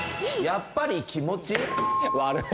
やっぱり気持ち悪い。